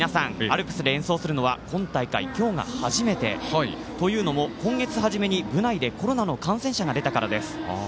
アルプスで演奏するのは今大会、今日が初めて。というのも、今月初めに部内でコロナの感染者が出たからです。